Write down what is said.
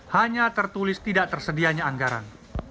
hanya tertulis tidak tersedianya anggaran